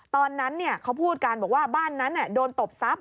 ตอนนั้นเขาพูดกันบอกว่าบ้านนั้นโดนตบทรัพย